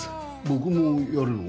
僕もやるの？